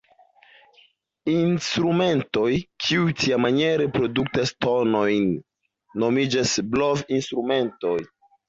Instrumentoj, kiuj tiamaniere produktas tonojn, nomiĝas blovinstrumentoj.